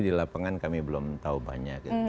di lapangan kami belum tahu banyak